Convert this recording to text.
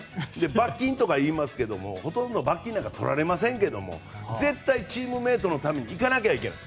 罰金とか言いますがほとんど罰金は取られませんが絶対、チームメートのために行かなきゃいけない。